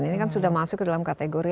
ini kan sudah masuk ke dalam kategori